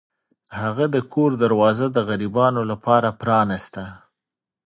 هغه د کور دروازه د غریبانو لپاره پرانیسته.